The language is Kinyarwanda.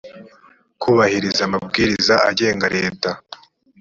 kubahiriza amabwiriza agenga leta